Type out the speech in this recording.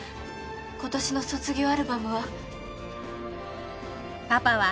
今年の卒業アルバムは。